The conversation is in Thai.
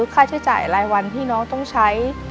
ค่าใช้จ่ายรายวันที่น้องต้องใช้